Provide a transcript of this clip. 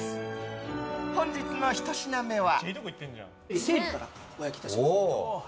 本日の１品目は。